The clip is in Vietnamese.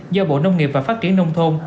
do bộ nông nghiệp và phát triển nông thôn